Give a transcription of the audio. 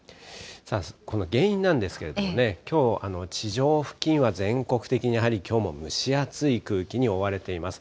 この原因なんですけれどもね、きょう、地上付近は全国的にやはりきょうも蒸し暑い空気に覆われています。